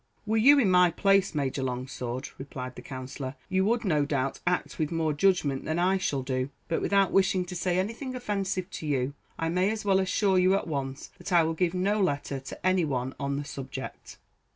"Were you in my place, Major Longsword," replied the Counsellor, "you would, no doubt, act with more judgment than I shall do; but without wishing to say anything offensive to you, I may as well assure you at once that I will give no letter to any one on the subject."